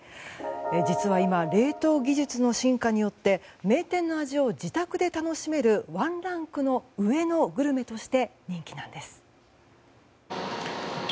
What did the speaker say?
実は今、冷凍技術の進化によって名店の味を自宅で楽しめるワンランク上のグルメとして人気なんです。